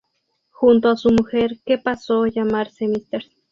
Junto a su mujer, que pasó a llamarse Mrs.